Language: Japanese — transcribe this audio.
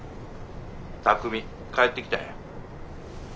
巧海帰ってきたんや。